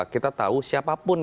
kita tahu siapapun